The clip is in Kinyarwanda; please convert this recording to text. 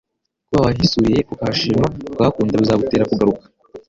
Kuba wahisuriye ukahashima ukahakunda bizagutera kugaruka